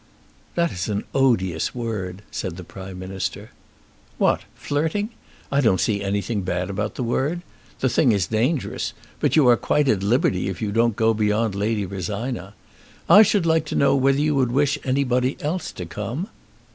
"That is an odious word," said the Prime Minister. "What; flirting? I don't see anything bad about the word. The thing is dangerous. But you are quite at liberty if you don't go beyond Lady Rosina. I should like to know whether you would wish anybody else to come?"